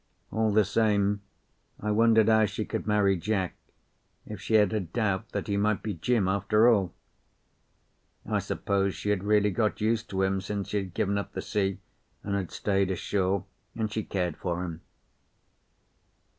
All the same, I wondered how she could marry Jack if she had a doubt that he might be Jim after all. I suppose she had really got used to him since he had given up the sea and had stayed ashore, and she cared for him.